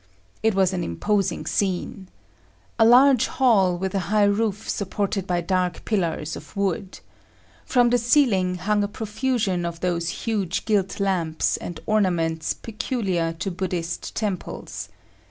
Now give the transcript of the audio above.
It was an imposing scene. A large hall with a high roof supported by dark pillars of wood. From the ceiling hung a profusion of those huge gilt lamps and ornaments peculiar to Buddhist temples.